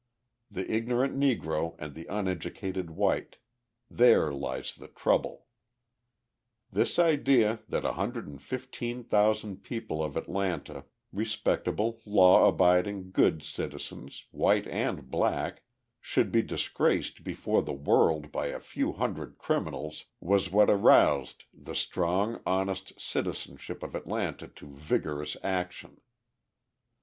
The ignorant Negro and the uneducated white; there lies the trouble! This idea that 115,000 people of Atlanta respectable, law abiding, good citizens, white and black should be disgraced before the world by a few hundred criminals was what aroused the strong, honest citizenship of Atlanta to vigorous action.